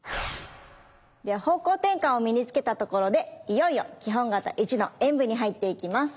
では方向転換を身につけたところでいよいよ基本形１の演武に入っていきます。